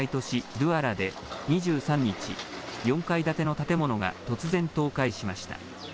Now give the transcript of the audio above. ドゥアラで２３日、４階建ての建物が突然倒壊しました。